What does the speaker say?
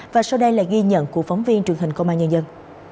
và sau đây là ghi nhận của phóng viên truyền hình công an nhân dân